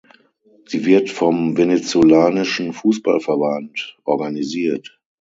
Sie wird vom venezolanischen Fußballverband organisiert.